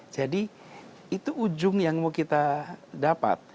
jadi itu ujung yang mau kita dapat